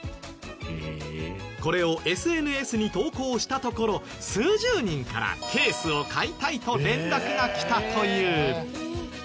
これをＳＮＳに投稿したところ数十人からケースを買いたいと連絡が来たという。